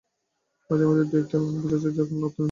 মাঝে-মাঝে দু- একটা লাইন বোঝা যায়, যার কোনো অর্থ নেই।